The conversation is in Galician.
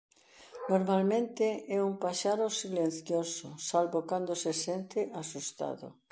Normalmente é un paxaro silencioso salvo cando se sente asustado.